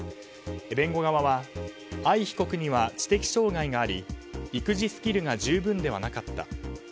弁護側は藍被告には知的障害があり育児スキルが十分ではなかった。